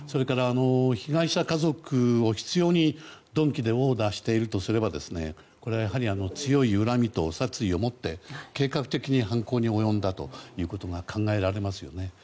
被害者家族を、執拗に鈍器で殴打しているとすればやはり強い恨みと殺意を持って計画的に犯行に及んだということが考えられますよね。